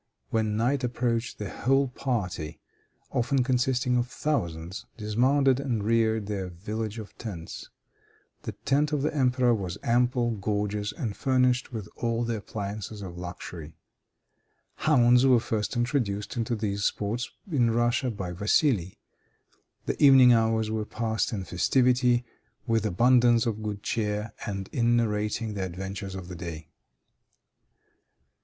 When night approached, the whole party, often consisting of thousands, dismounted and reared their village of tents. The tent of the emperor was ample, gorgeous, and furnished with all the appliances of luxury. Hounds were first introduced into these sports in Russia by Vassili. The evening hours were passed in festivity, with abundance of good cheer, and in narrating the adventures of the day.